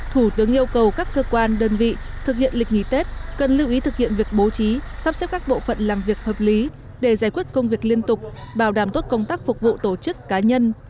thủ tướng yêu cầu các cơ quan đơn vị thực hiện lịch nghỉ tết cần lưu ý thực hiện việc bố trí sắp xếp các bộ phận làm việc hợp lý để giải quyết công việc liên tục bảo đảm tốt công tác phục vụ tổ chức cá nhân